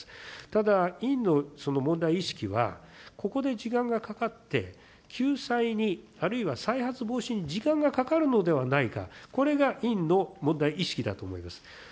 ただ、委員の問題意識は、ここで時間がかかって、救済に、あるいは再発防止に時間がかかるのではないか、これが委員の問題意識だと思います。